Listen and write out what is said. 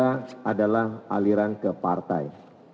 dan ini adalah aliran ke partai